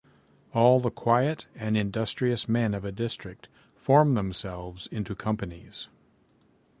All the quiet and industrious men of a district form themselves into companies.